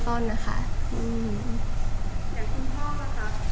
เป็นสัญลักษณะคุณพ่อได้ยังไงค่ะ